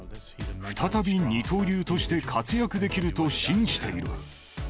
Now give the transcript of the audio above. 再び二刀流として活躍できると信じている。